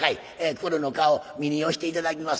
クロの顔見によして頂きます。